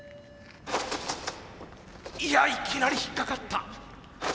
いやいきなり引っ掛かった。